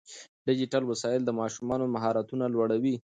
ډیجیټل وسایل د ماشومانو مهارتونه لوړوي.